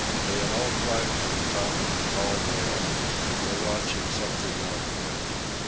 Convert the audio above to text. They had all climbed to the top of the tall rail and were watching something outboard.